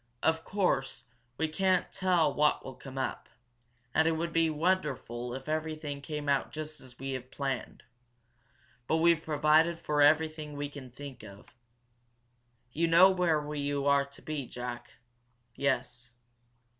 "Of course, we can't tell what will come up, and it would be wonderful if everything came out just as we have planned. But we've provided for everything we can think of. You know where you are to be, Jack?" "Yes."